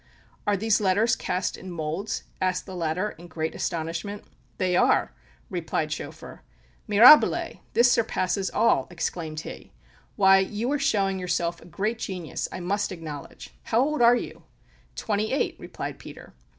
"Are these letters cast in moulds?" asked the latter, in great astonishment. "They are," replied Schoeffer. "Mirabile! this surpasses all!" exclaimed he. "Why, you are showing yourself a great genius, I must acknowledge. How old are you?" "Twenty eight!" replied Peter.